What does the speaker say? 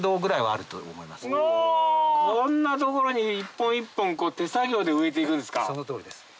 こんな所に一本一本手作業で植えて行くんですか。